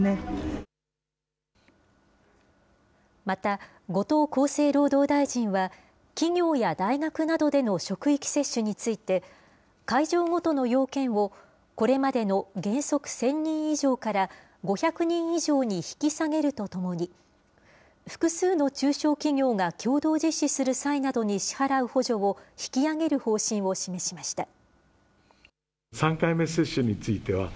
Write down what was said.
また、後藤厚生労働大臣は、企業や大学などでの職域接種について、会場ごとの要件を、これまでの原則１０００人以上から５００人以上に引き下げるとともに、複数の中小企業が共同実施する際などに支払う補助を引き上げる方針を示しました。